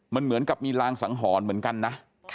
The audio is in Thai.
มันเหมือนกับมีรางสังหรณ์เหมือนกันนะ